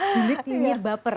julid nyinyir baper